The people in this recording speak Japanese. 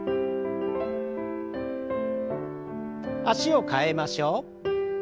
脚を替えましょう。